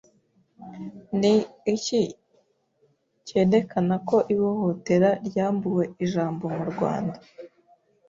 Ni iki kerekana ko ihohotera ryambuwe ijambo mu Rwanda